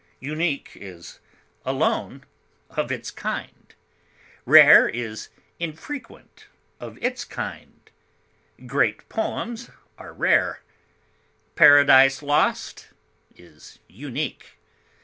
Unique is alone of its kind; rare is infrequent of its kind; great poems are rare; "Paradise Lost" is unique.